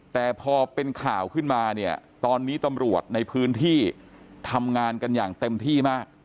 แต่พอเป็นข่าวขึ้นมาเนี่ยตอนนี้ตำรวจในพื้นที่ทำงานกันอย่างเต็มที่มาก